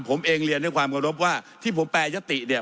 ผมเองเรียนในความรบว่าที่ผมแปรยศติเนี่ย